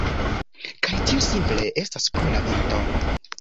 Kaj tio simple estas pro la vento.